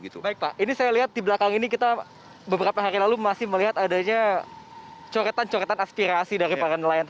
baik pak ini saya lihat di belakang ini kita beberapa hari lalu masih melihat adanya coretan coretan aspirasi dari para nelayan